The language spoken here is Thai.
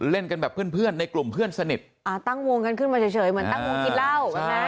เล่นกันแบบเพื่อนเพื่อนในกลุ่มเพื่อนสนิทอ่าตั้งวงกันขึ้นมาเฉยเหมือนตั้งวงกินเหล้า